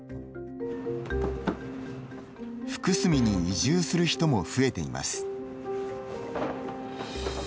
福住に移住する人も増えています。